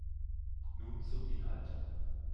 Nun zum Inhalt.